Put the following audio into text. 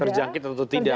terjangkit atau tidak